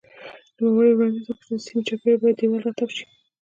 نوموړي وړاندیز وکړ چې د سیمې چاپېره باید دېوال راتاو شي.